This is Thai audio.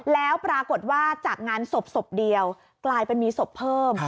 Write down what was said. แล้วปรากฏว่าจากงานศพศพเดียวกลายเป็นมีศพเพิ่ม